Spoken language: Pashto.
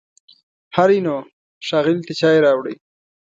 هلی نو، ښاغلي ته چای راوړئ!